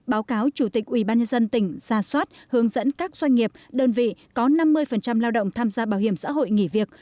báo cáo chủ tịch ubnd tỉnh ra soát hướng dẫn các doanh nghiệp đơn vị có năm mươi lao động tham gia bảo hiểm xã hội nghỉ việc